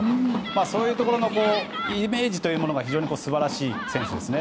そういうところのイメージが非常に素晴らしい選手ですね。